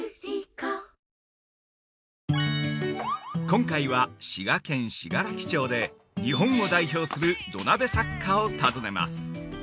◆今回は、滋賀県・信楽町で日本を代表する土鍋作家を訪ねます。